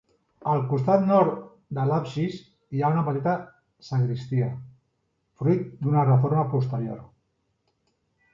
Al costat nord de l'absis, hi ha una petita sagristia, fruit d'una reforma posterior.